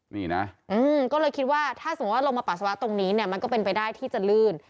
นี่นะก็เลยคิดว่าถ้าสมมุติว่าลงมาปัสสาวะตรงนี้เนี่ยมันก็เป็นไปได้ที่จะลื่น